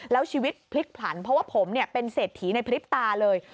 แล้วชีวิตพลิกผลันเพราะว่าผมเป็นเศรษฐีในพริบตาเลย